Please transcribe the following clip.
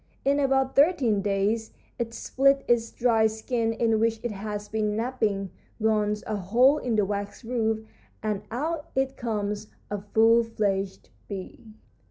In about thirteen days it splits its dried skin, in which it has been napping, gnaws a hole in the wax roof, and out it comes a full fledged bee.